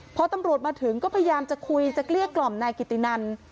พอตำรวจมาถึงก็พยายามจะคุยจะเกลี้ยกล่อมนายกิตินัน